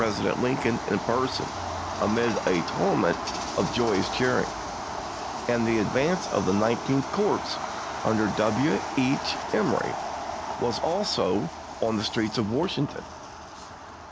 dent Lincoln in person amid a tumult of joyous cheering ; and the advance of the Nineteenth Corps under W. H. Emory was also in the streets of Wash ington.